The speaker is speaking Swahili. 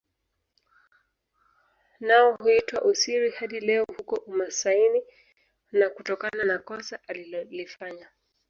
Nao huitwa Osiri hadi leo huko umasaini na kutokana na kosa alilolifanya